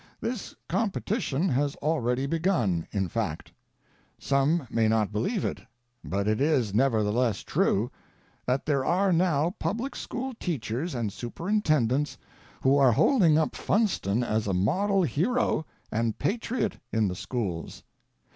This competition has already begun, in fact. Some may not believe it, but it is nevertheless true, that there are now public school teach ers and superintendents who are holding up Funston as a model hero and Patriot in the schools.